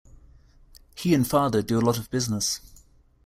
He and father do a lot of business.